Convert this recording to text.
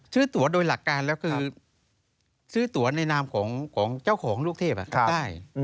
ตัวโดยหลักการแล้วคือซื้อตัวในนามของเจ้าของลูกเทพได้